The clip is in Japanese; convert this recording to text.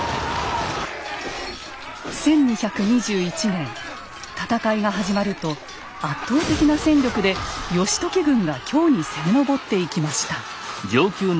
１２２１年戦いが始まると圧倒的な戦力で義時軍が京に攻め上っていきました。